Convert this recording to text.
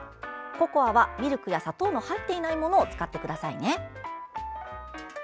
ココアはミルクや砂糖の入っていないものを使ってください。